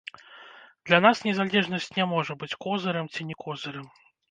Для нас незалежнасць не можа быць козырам ці не козырам.